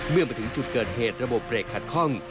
เมื่อมาถึงจุดเกิดเหตุระบบเบรกขัดข้อง